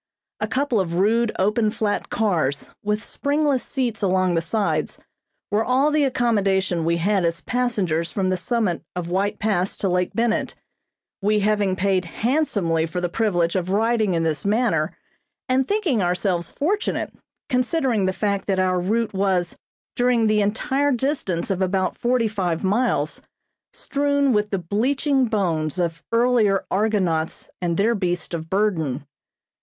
A couple of rude open flat cars with springless seats along the sides were all the accommodation we had as passengers from the summit of White Pass to Lake Bennett; we having paid handsomely for the privilege of riding in this manner and thinking ourselves fortunate, considering the fact that our route was, during the entire distance of about forty five miles, strewn with the bleaching bones of earlier argonauts and their beasts of burden.